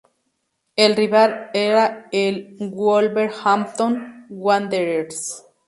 El rival era el Wolverhampton Wanderers.